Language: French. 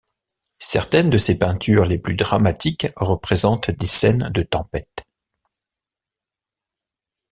Certaines de ses peintures les plus dramatiques représentent des scènes de tempêtes.